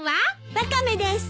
ワカメです。